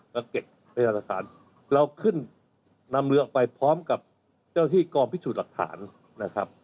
ก็เก็บพยานหลักฐานเราขึ้นนำเรือออกไปพร้อมกับเจ้าที่กองพิสูจน์หลักฐานนะครับ